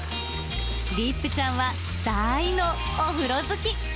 リップちゃんは大のお風呂好き。